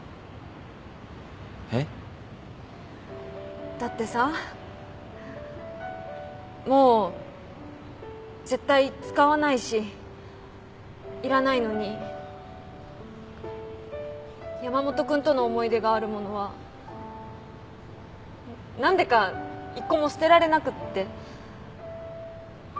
えっ？だってさもう絶対使わないしいらないのに山本君との思い出がある物は何でか一個も捨てられなくって。